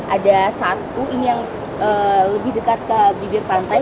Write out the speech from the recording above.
ada satu ini yang lebih dekat ke bibir pantai